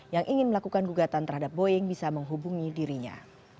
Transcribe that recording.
yang ingin melakukan gugatan terhadap boeing bisa menghubungi dirinya